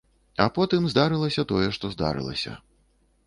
А потым здарылася тое, што здарылася.